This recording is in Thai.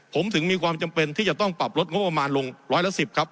ผมถึงมีความจำเป็นที่จะต้องปรับลดงบประมาณลงร้อยละ๑๐ครับ